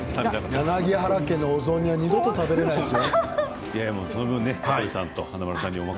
柳原家のお雑煮は二度と食べられないですよ。